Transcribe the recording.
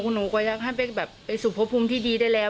อ๋อหนูก็อยากให้แบบไปสูบภพภูมิที่ดีได้แล้ว